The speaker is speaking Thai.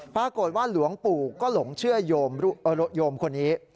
ปรากฏว่าหลวงปู่ก็หลงเชื่อโยมคนนี้